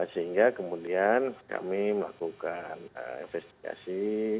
sehingga kemudian kami melakukan investigasi